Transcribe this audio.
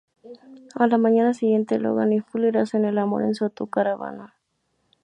A la mañana siguiente, Lohan y Fuller hacen el amor en su autocaravana.